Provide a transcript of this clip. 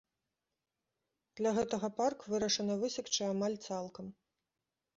Для гэтага парк вырашана высекчы амаль цалкам.